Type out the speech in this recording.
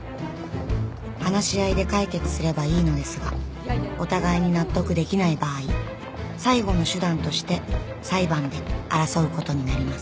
話し合いで解決すればいいのですがお互いに納得できない場合最後の手段として裁判で争う事になります